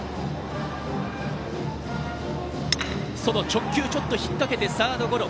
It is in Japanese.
直球ちょっと引っ掛けてサードゴロ。